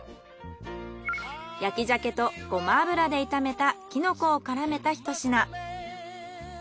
焼き鮭とごま油で炒めたキノコを絡めた一品。